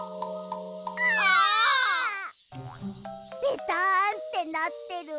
ベタンってなってる！